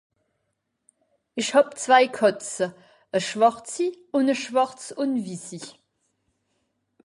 Ich hàb zwei Kàtze: e schwàrzi, un e schwàrz un wissi